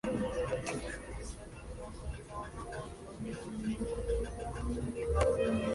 En su adolescencia realizó talleres literarios en Argentina y en Estados Unidos.